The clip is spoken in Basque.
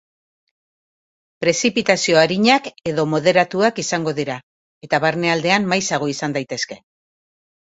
Prezipitazio arinak edo moderatuak izango dira, eta barnealdean maizago izan daitezke.